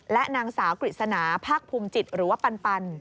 และนางสาวกริสนาภาคพุมจิตหรือว่าปัน